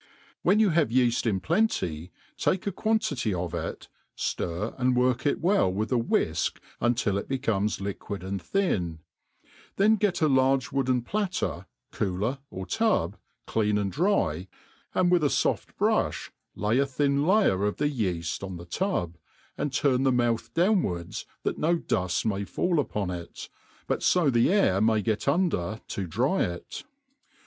'■ WHEN yoju have yeaft in plenty, take a quantity of it, flir and work it well with a whifk until it becomes liquid and tbin> then gee a large wooden platter, cooler, or tub, clean and dry, and with a fofr^brufb, lay a thin layer of the yeaft on the tub, and turn the mouth downwards that no duft may fall upon it, but fo that the air may get under to dry it.